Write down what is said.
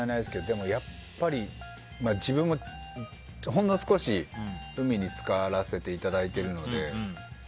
でもやっぱり、自分もほんの少し海に浸からせていただいてるので。